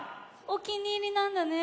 おきにいりなんだね。